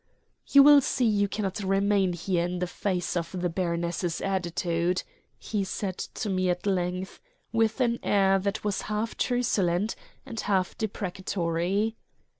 "You will see you cannot remain here in the face of the baroness's attitude," he said to me at length, with an air that was half truculent and half deprecatory.